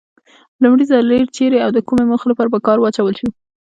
لومړي ځل ریل چیري او د کومې موخې لپاره په کار واچول شو؟